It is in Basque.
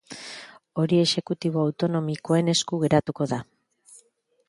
Hori exekutibo autonomikoen esku geratuko da.